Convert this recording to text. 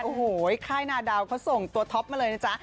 โอ้โหค่ายนาดาวเขาส่งตัวท็อปมาเลยนะจ๊ะ